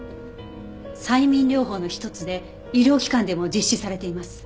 催眠療法の一つで医療機関でも実施されています。